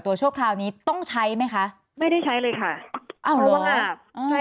ตัวโชคคราวนี้ต้องใช้ไหมคะไม่ได้ใช้เลยค่ะอ้าวเหรอใช่